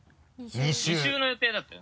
２週の予定だったよ。